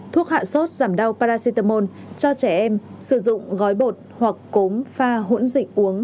thuốc hạ sốt giảm đau paracetamol cho trẻ em sử dụng gói bột hoặc cốm pha hỗn dịch uống